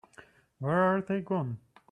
Where are they gone?